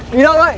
đi đâu đấy